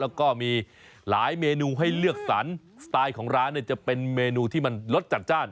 แล้วก็มีหลายเมนูให้เลือกสรรสไตล์ของร้านเนี่ยจะเป็นเมนูที่มันรสจัดจ้าน